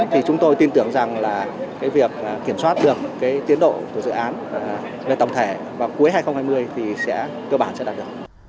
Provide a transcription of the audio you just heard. thì chúng tôi tin tưởng rằng việc kiểm soát được tiến độ của dự án về tổng thể vào cuối hai nghìn hai mươi thì cơ bản sẽ đạt được